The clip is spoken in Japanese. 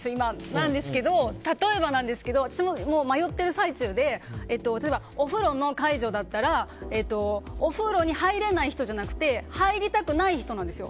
なんですけど例えばなんですけど私も迷っている最中でお風呂の介助だったらお風呂に入れない人じゃなくて入りたくない人なんですよ。